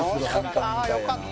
よかった。